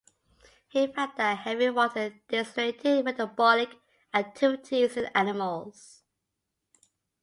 He found that heavy water decelerated metabolic activities in animals.